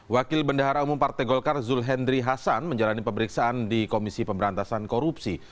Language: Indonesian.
wakil bendahara umum partai golkar zul hendri hasan menjalani pemeriksaan di komisi pemberantasan korupsi